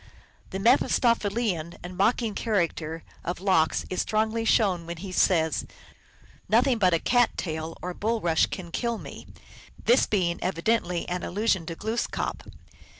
The Mephistophelian and mocking character of Lox is strongly shown when he says, " Nothing but a cat tail or bulrush can kill me," this being evidently an allusion to Glooskap.